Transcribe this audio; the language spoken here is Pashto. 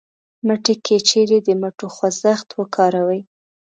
مټې : که چېرې د مټو خوځښت وکاروئ